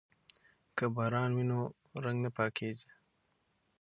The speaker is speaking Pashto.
که باران وي نو رنګ نه پاکیږي.